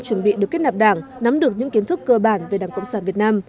chuẩn bị được kết nạp đảng nắm được những kiến thức cơ bản về đảng cộng sản việt nam